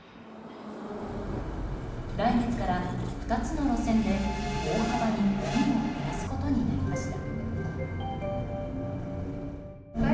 来月から２つの路線で大幅に便を減らすことになりました。